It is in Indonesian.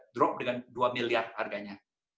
drop dengan dua miliar harganya